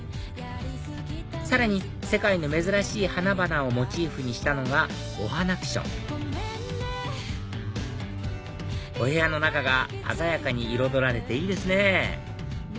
さらに世界の珍しい花々をモチーフにしたのがおはなくしょんお部屋の中が鮮やかに彩られていいですね